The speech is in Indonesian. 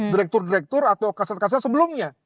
direktur direktur atau kasus kasus sebelumnya